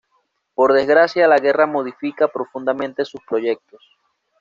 Por desgracia, la guerra modifica profundamente sus proyectos.